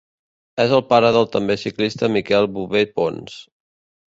És el pare del també ciclista Miquel Bover Pons.